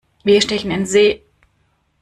Wir stechen in See!